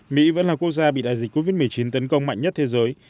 mỹ vẫn là quốc gia bị đại dịch covid một mươi chín tấn công mạnh nhất thế giới